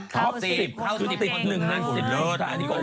ครอบ๑๐สูงกว้าง